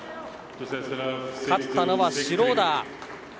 勝ったのはシュローダー。